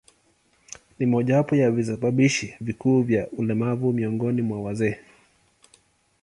Ni mojawapo ya visababishi vikuu vya ulemavu miongoni mwa wazee.